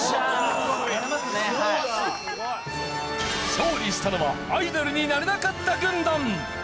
勝利したのはアイドルになれなかった軍団。